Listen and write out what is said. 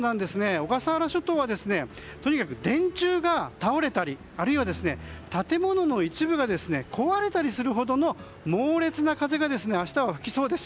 小笠原諸島はとにかく電柱が倒れたりあるいは建物の一部が壊れたりするほどの猛烈な風が明日は吹きそうです。